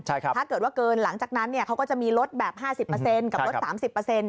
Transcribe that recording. ถ้าเกิดว่าเกินหลังจากนั้นเขาก็จะมีลดแบบ๕๐กับลด๓๐